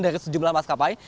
dari sejumlah maskapai